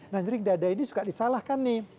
nah nyerik dada ini suka disalahkan nih